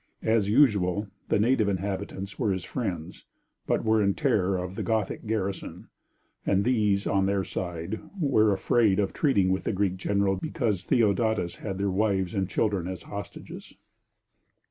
As usual, the native inhabitants were his friends, but were in terror of the Gothic garrison, and these, on their side, were afraid of treating with the Greek general because Theodatus had their wives and children as hostages.